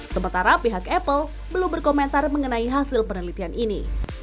sementara pihak apple belum berkomentar mengenai hasil penelitian ini